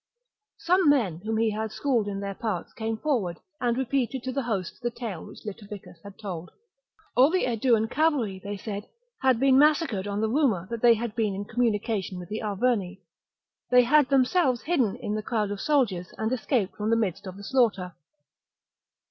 Some men whom he had schooled in their parts came forward, and repeated to the host the tale which Litaviccus had told. All the Aeduan cavalry, they said, had been massacred on the rumour that they had been in communication with the Arverni ; they had themselves hidden in the crowd of soldiers and escaped from the midst of the slaughter.